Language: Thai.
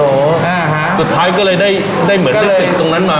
อ่าฮะสุดท้ายก็เลยได้ได้เหมือนได้สิทธิ์ตรงนั้นมา